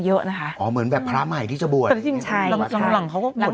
เยอะนะคะอ๋อเหมือนแบบพระใหม่ที่จะบวชใช่หลังหลังเขาก็หมดยากน่ะ